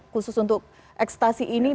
khusus untuk eksitasi ini